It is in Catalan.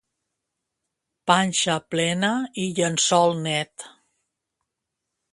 Panxa plena i llençol net.